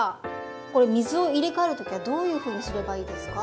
これ水を入れ替える時はどういうふうにすればいいですか？